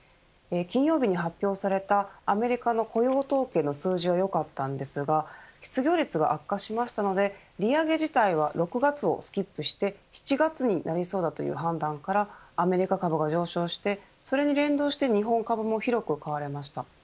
金曜日に発表されたアメリカの雇用統計の数字はよかったものの失業率が悪化したので利上げ自体は６月をスキップして７月になりそうだとの判断からアメリカ株が上昇してそれに連動して日本株も広く買われました。